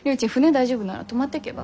大丈夫なら泊まってけば？